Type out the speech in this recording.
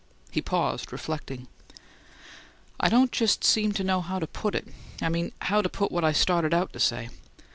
He paused, reflecting. "I don't just seem to know how to put it I mean how to put what I started out to say.